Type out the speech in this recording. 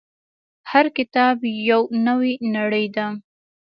• هر کتاب یو نوی نړۍ ده.